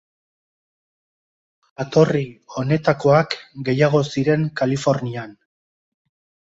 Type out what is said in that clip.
Jatorri honetakoak gehiago ziren Kalifornian.